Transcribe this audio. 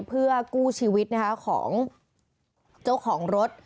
เพื่อกู้ชีวิตของเจ้าของรถ